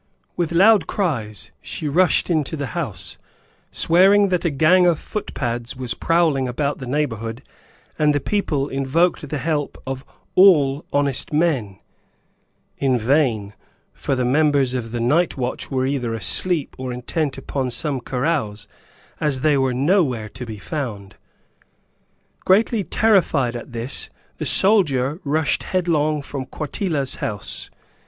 With loud cries, she rushed into the house, swearing that a gang of footpads was prowling about the neighborhood and the people invoked the help of "All honest men," in vain, for the members of the night watch were either asleep or intent upon some carouse, as they were nowhere to be found. Greatly terrified at this, the soldier rushed headlong from Quartilla's house.